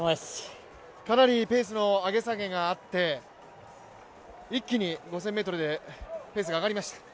かなりペースの上げ下げがあって、一気に５０００ｍでペースが上がりました。